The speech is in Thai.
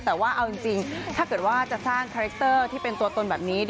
แต่ว่าเอาจริงถ้าเกิดว่าจะสร้างคาแรคเตอร์ที่เป็นตัวตนแบบนี้